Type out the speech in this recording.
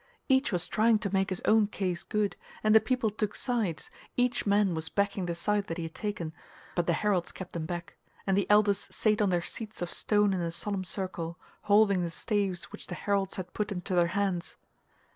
Each was trying to make his own case good, and the people took sides, each man backing the side that he had taken; but the heralds kept them back, and the elders sate on their seats of stone in a solemn circle, holding the staves which the heralds had put into their hands.